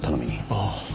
ああ。